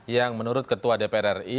yang menurut ketua dpr ri